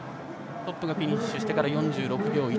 トップがフィニッシュしてから４６秒１。